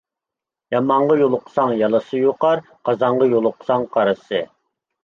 يامانغا يولۇقساڭ يالىسى يۇقار، قازانغا يولۇقساڭ قارىسى.